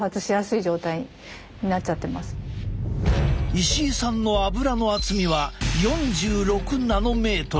石井さんのアブラの厚みは４６ナノメートル。